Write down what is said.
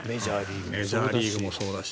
メジャーリーグもそうだし。